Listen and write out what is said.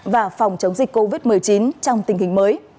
dịch covid một mươi chín trong tình hình mới